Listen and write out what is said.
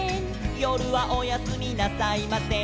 「よるはおやすみなさいません」